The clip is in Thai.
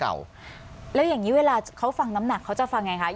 แล้วอย่างนี้เวลาเขาฟังน้ำหนักเขาจะฟังไงคะ